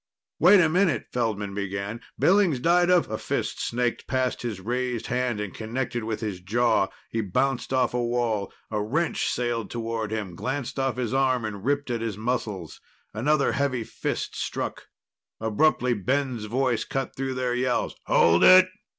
"Wait a minute," Feldman began. "Billings died of " A fist snaked past his raised hand and connected with his jaw. He bounced off a wall. A wrench sailed toward him, glanced off his arm, and ripped at his muscles. Another heavy fist struck. Abruptly, Ben's voice cut through their yells. "Hold it!"